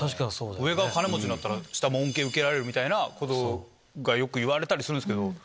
上が金持ちになったら下も恩恵受けられるみたいなよく言われたりするけど。